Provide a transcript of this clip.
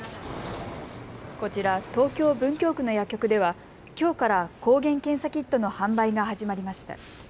こちら、東京文京区の薬局ではきょうから抗原検査キットの販売が始まりました。